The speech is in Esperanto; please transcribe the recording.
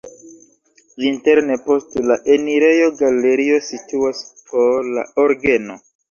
Interne post la enirejo galerio situas por la orgeno.